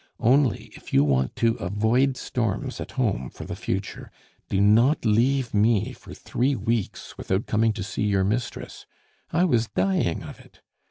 Only, if you want to avoid storms at home for the future, do not leave me for three weeks without coming to see your mistress I was dying of it.